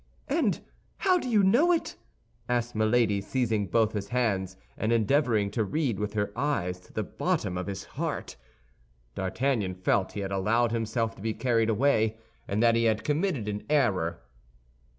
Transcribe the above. "And how do you know it?" asked Milady, seizing both his hands, and endeavoring to read with her eyes to the bottom of his heart. D'Artagnan felt he had allowed himself to be carried away, and that he had committed an error.